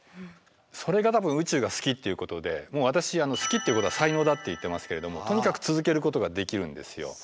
それが多分宇宙が好きっていうことでもう私「好きということは才能だ」って言ってますけれどもとにかく続けることができるんですよ。